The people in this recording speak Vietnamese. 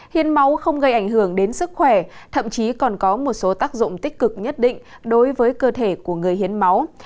hiến máu không gây ảnh hưởng đến sức khỏe thậm chí còn có một số tác dụng tích cực nhất định đối với cơ thể của người hiến máu